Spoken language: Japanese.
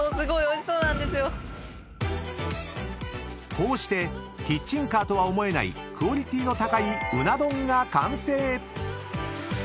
［こうしてキッチンカーとは思えないクオリティーの高いうな丼が完成］